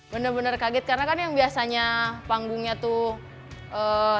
benar benar kaget karena kan yang biasanya panggungnya tuh